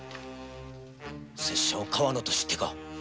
拙者を川野と知ってか？